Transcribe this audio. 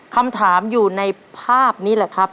คำถามอยู่ในภาพนี้แหละครับ